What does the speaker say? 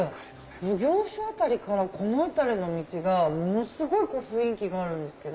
奉行所辺りからこの辺りの道がものすごい雰囲気があるんですけど。